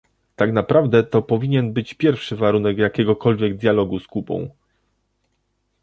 Tak naprawdę to powinien być pierwszy warunek jakiegokolwiek dialogu z Kubą